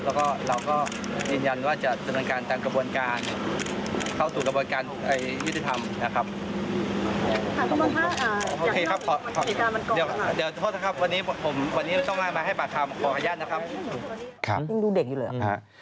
แล้วก็เรียนยันว่าจะสำหรับการตามกระบวนการเข้าถูกกระบวนการยุติธรรมนะครับ